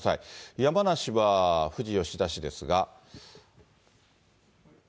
山梨は富士吉田市ですが。